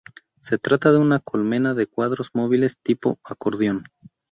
Se trata de una colmena de cuadros móviles tipo acordeón.